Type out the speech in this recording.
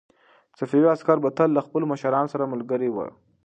صفوي عسکر به تل له خپلو مشرانو سره ملګري ول.